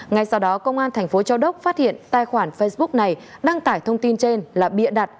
ngay sau đó công an thành phố châu đốc phát hiện tài khoản facebook này đăng tải thông tin trên là bịa đặt